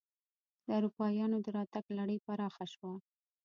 د اروپایانو دراتګ لړۍ پراخه شوه.